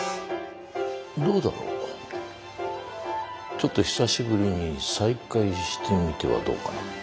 ちょっと久しぶりに再会してみてはどうかな。